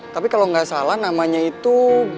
tapi kalau nggak salah namanya itu